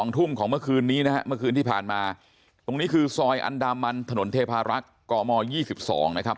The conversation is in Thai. ทุ่มของเมื่อคืนนี้นะฮะเมื่อคืนที่ผ่านมาตรงนี้คือซอยอันดามันถนนเทพารักษ์กม๒๒นะครับ